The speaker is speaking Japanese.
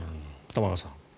玉川さん。